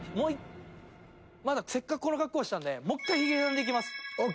せっかくこの格好したんでもう１回ヒゲダンでいきます。